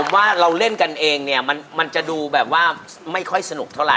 ผมว่าเราเล่นกันเองเนี่ยมันจะดูแบบว่าไม่ค่อยสนุกเท่าไห